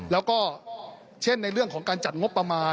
แล้วก็เช่นในเรื่องของการจัดงบประมาณ